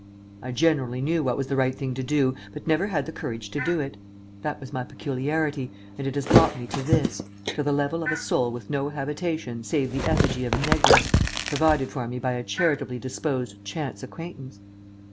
I generally knew what was the right thing to do, but never had the courage to do it. That was my peculiarity, and it has brought me to this to the level of a soul with no habitation save the effigy of a negress, provided for me by a charitably disposed chance acquaintance."